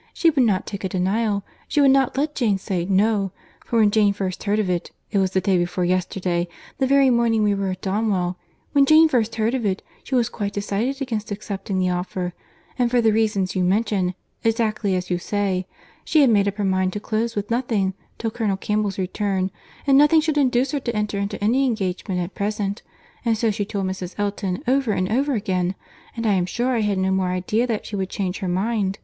She would not take a denial. She would not let Jane say, 'No;' for when Jane first heard of it, (it was the day before yesterday, the very morning we were at Donwell,) when Jane first heard of it, she was quite decided against accepting the offer, and for the reasons you mention; exactly as you say, she had made up her mind to close with nothing till Colonel Campbell's return, and nothing should induce her to enter into any engagement at present—and so she told Mrs. Elton over and over again—and I am sure I had no more idea that she would change her mind!